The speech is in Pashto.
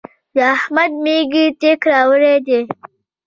د احمد مېږي تېک راوړی دی.